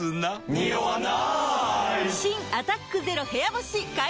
ニオわない！